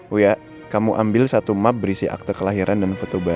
wuyah kamu ambil satu map berisi akte kelahiran dan foto berikutnya